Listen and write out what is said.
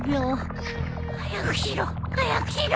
早くしろ早くしろ